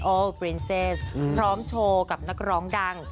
ฟรีนเซสพร้อมโชว์กับนักร้องดัง